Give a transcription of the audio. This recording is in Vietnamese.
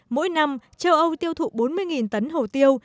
mỗi năm châu âu tiêu thụ bốn mươi tấn hồ tiêu